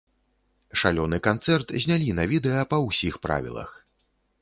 Шалёны канцэрт знялі на відэа па ўсіх правілах!